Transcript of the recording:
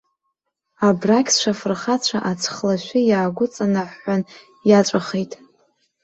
Абрагьцәа фырхацәа аҵхлашәы иаагәыҵанаҳәҳәан иаҵәахит!